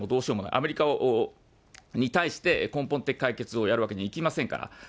アメリカに対して、根本的解決をやるわけにいきませんから。